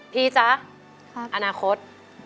พี่จ๊ะอนาคต